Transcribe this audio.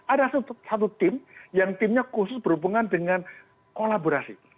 ada satu tim yang timnya khusus berhubungan dengan kolaborasi